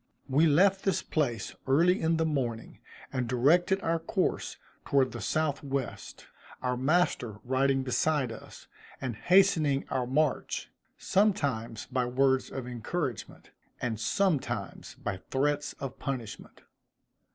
We left this place early in the morning, and directed our course toward the south west; our master riding beside us, and hastening our march, sometimes by words of encouragement, and sometimes by threats of punishment.